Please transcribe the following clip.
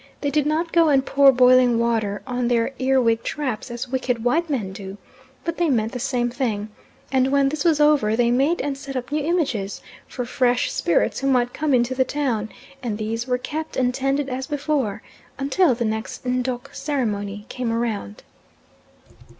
They did not go and pour boiling water on their earwig traps, as wicked white men do, but they meant the same thing, and when this was over they made and set up new images for fresh spirits who might come into the town, and these were kept and tended as before, until the next N'dok ceremony came round.